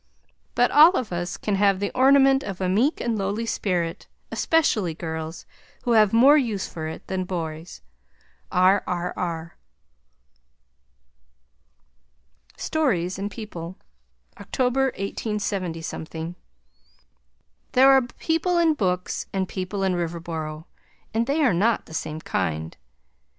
But all of us can have the ornament of a meek and lowly spirit, especially girls, who have more use for it than boys. R.R.R. STORIES AND PEOPLE October, 187 There are people in books and people in Riverboro, and they are not the same kind.